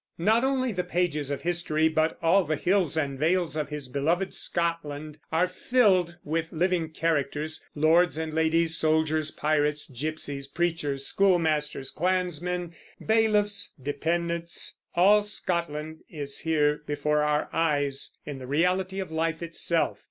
Not only the pages of history, but all the hills and vales of his beloved Scotland are filled with living characters, lords and ladies, soldiers, pirates, gypsies, preachers, schoolmasters, clansmen, bailiffs, dependents, all Scotland is here before our eyes, in the reality of life itself.